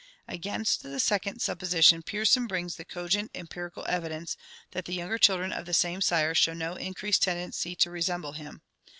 Against the second sup position Pearson brings the cogent empirical evidence that the younger children of the same sire show no increased tendency to resemble him.